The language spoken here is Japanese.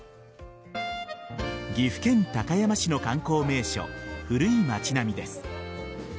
岐阜県高山市の観光名所古い町並です。